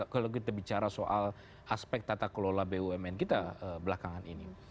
kalau kita bicara soal aspek tata kelola bumn kita belakangan ini